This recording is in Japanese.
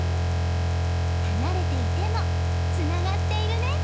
離れていてもつながっているね。